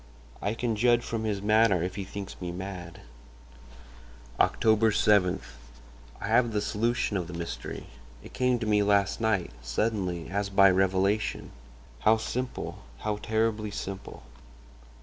I can judge from his manner if he thinks me mad. "Oct. 7.—I have the solution of the mystery; it came to me last night—suddenly, as by revelation. How simple—how terribly simple!